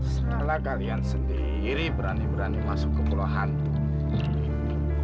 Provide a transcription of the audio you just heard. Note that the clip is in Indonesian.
setelah kalian sendiri berani berani masuk ke pulau hantu